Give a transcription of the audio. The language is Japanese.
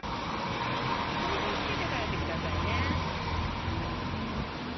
ポン酢をつけて食べてくださいね。